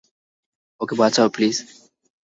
ওকে বাঁচাও প্লীজ।